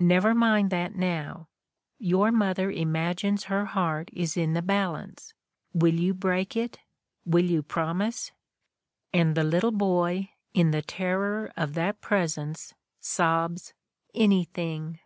Never mind that now; your mother imagines her heart is in the balance — ^will you break it? ... Will you promise ?... And the little boy, in the terror of that presence, sobs: "Anything!"